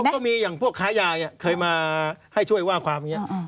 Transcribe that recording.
ก็มีอย่างพวกค้ายาเนี่ยเคยมาให้ช่วยว่าความอย่างนี้